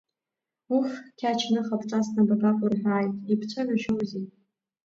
Уф, Қьач-ныха бҿасны бабаҟоу рҳәааит, ибцәажәашьоузеи!